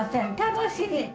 楽しみ。